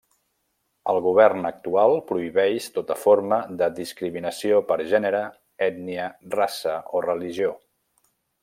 El govern actual prohibeix tota forma de discriminació per gènere, ètnia, raça o religió.